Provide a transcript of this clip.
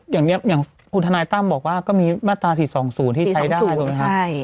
อย่างนี้คุณฐานายตั้มบอกว่าก็มีมาตรา๔๒๐ที่ใส่ได้